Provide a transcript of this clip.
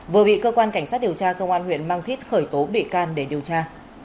vừa bị cơ quan cảnh sát điều tra công an huyện mang thít khởi tố bị can để điều tra